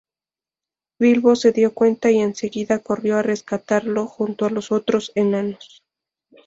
Bilbo se dio cuenta y enseguida corrió a rescatarlo, junto a los otros enanos.